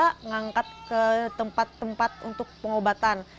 kita mengangkat ke tempat tempat untuk pengobatan